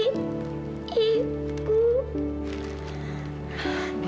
ini boneka dari ibu